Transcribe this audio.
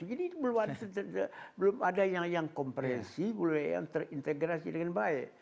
ini belum ada yang komprehensi belum ada yang terintegrasi dengan baik